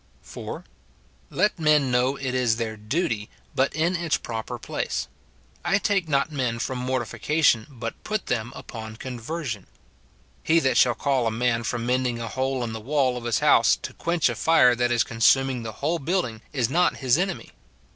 4. Let men know it is their duty, but in its proper place ; I take not men from mortification, but put them upon conversion. He that shall call a man from mend ing a hole in the wall of his house, to quench a fire that is consuming the whole building, is not his enemy.